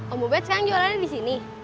om ubed sekarang jualannya disini